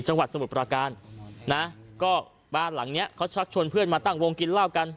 สมุทรประการนะก็บ้านหลังเนี้ยเขาชักชวนเพื่อนมาตั้งวงกินเหล้ากัน